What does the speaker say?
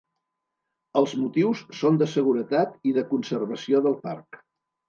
Els motius són de seguretat i de conservació del parc.